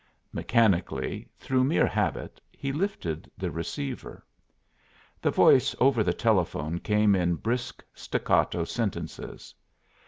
Mechanically, through mere habit, he lifted the receiver. The voice over the telephone came in brisk staccato sentences.